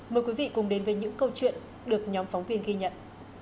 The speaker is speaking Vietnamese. mời quý vị cùng đến với những câu chuyện được nhóm phóng viên ghi nhận